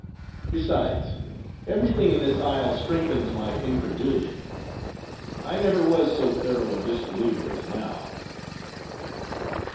Besides; every thing in this isle strengthens my incredulity; I never was so thorough a disbeliever as now."